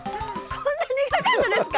こんな苦かったですか？